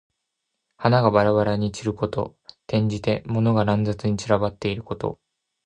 花がばらばらに散ること。転じて、物が乱雑に散らばっていること。